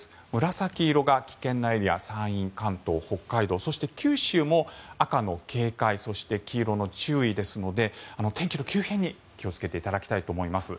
紫色が危険なエリア山陰、関東、北海道九州も赤の警戒そして黄色の注意ですので天気の急変に気をつけていただきたいと思います。